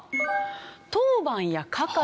当番や係。